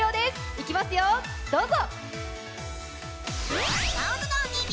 いきますよ、どうぞ！